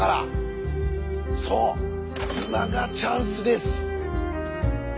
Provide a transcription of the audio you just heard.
そう今がチャンスです。